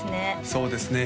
そうですね